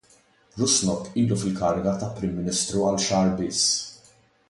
Rusnok ilu fil-kariga ta' Prim Ministru għal xahar biss.